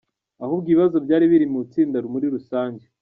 Ahubwo ibibazo byari biri mu itsinda muri rusange.